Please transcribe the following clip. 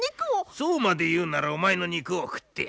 そうまで言うんならお前の肉を食ってやらあ。